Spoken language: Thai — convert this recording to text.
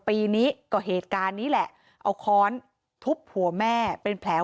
ปีนี้ก็เหตุการณ์นี้แหละเอาค้อนทุบหัวแม่เป็นแผล